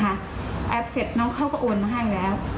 แอปเสร็จน้องเขาก็โอนมาให้แล้ว